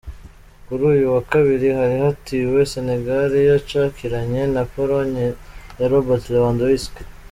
Kuri uyu wa Kabiri hari hatahiwe Sénégal yacakiranye na Pologne ya Robert Lewandowski.